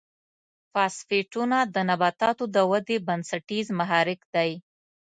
فاسفیټونه د نباتاتو د ودې بنسټیز محرک دی.